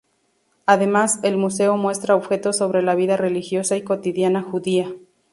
Además, el museo muestra objetos sobre la vida religiosa y cotidiana judía.